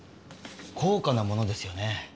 高価なものですよね。